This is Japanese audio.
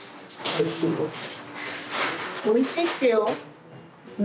おいしいってよ。